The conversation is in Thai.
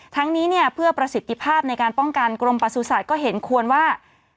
ทั้งนี้เนี่ยเพื่อประสิทธิภาพในการป้องกันกรมประสุทธิ์ก็เห็นควรว่า